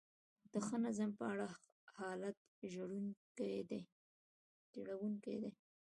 د ښه نظم په اړه حالت ژړونکی دی.